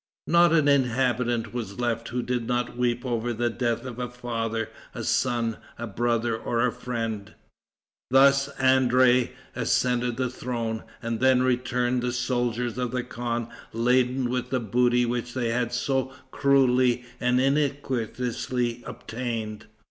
Not an inhabitant was left who did not weep over the death of a father, a son, a brother or a friend." Thus André ascended the throne, and then returned the soldiers of the khan laden with the booty which they had so cruelly and iniquitously obtained.